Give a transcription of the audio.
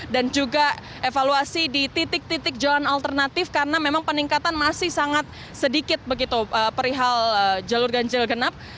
juga evaluasi di titik titik jalan alternatif karena memang peningkatan masih sangat sedikit begitu perihal jalur ganjil genap